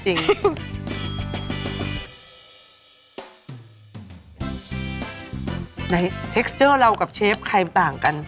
ใช่แล้วเรากับเชฟใครต่างกัน